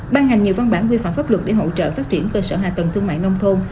ban hành nhiều văn bản quy phạm pháp luật để hỗ trợ phát triển cơ sở hạ tầng thương mại nông thôn